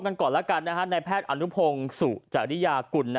ในแพทย์อนุพงศ์สุจานียาหกุล